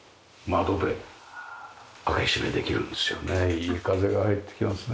いい風が入ってきますね。